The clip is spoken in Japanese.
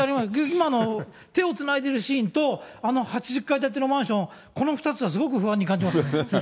今の手をつないでいるシーンと、８０階建てのマンション、この２つがすごく不安に感じます。